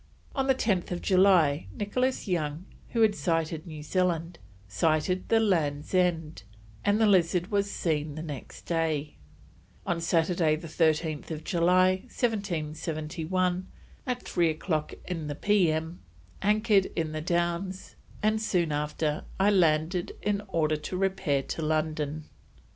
On 10th July Nicholas Young, who had sighted New Zealand, sighted the Land's End, and the Lizard was seen the next day. On Saturday, 13th July 1771, "at 3 o'clock in the P.M. anchor'd in the Downs and soon after I landed in order to repair to London."